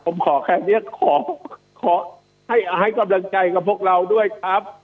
ผมขอแค่นี้ขอให้กำลังใจกับพวกเราด้วยครับ